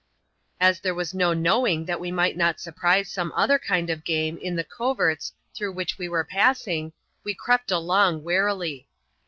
As there w^ no knowing that we might not surprise some other kind of game in the coverts through which we were pass ing, we crept along warily.